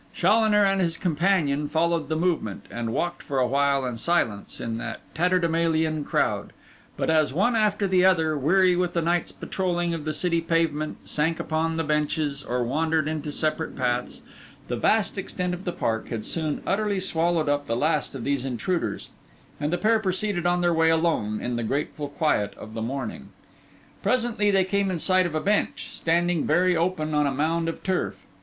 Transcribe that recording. Challoner and his companion followed the movement, and walked for awhile in silence in that tatterdemalion crowd; but as one after another, weary with the night's patrolling of the city pavement, sank upon the benches or wandered into separate paths, the vast extent of the park had soon utterly swallowed up the last of these intruders; and the pair proceeded on their way alone in the grateful quiet of the morning. Presently they came in sight of a bench, standing very open on a mound of turf.